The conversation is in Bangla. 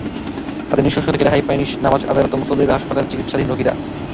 তাদের নৃশংসতা থেকে রেহাই পায়নি নামাজ আদায়রত মুসল্লিরা, হাসপাতালে চিকিত্সাধীন রোগীরা।